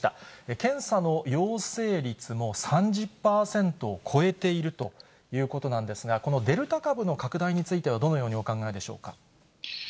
検査の陽性率も３０％を超えているということなんですが、このデルタ株の拡大についてはどのようにお考えでしょうか。